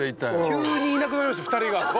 急にいなくなりました２人が。